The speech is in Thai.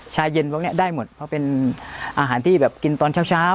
ชาเย็นพวกนี้ได้หมดเพราะเป็นอาหารที่แบบกินตอนเช้า